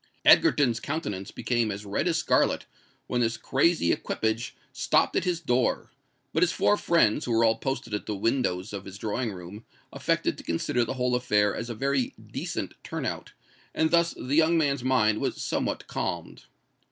Egerton's countenance became as red as scarlet when this crazy equipage stopped at his door: but his four friends, who were all posted at the windows of his drawing room, affected to consider the whole affair as "a very decent turn out;" and thus the young man's mind was somewhat calmed.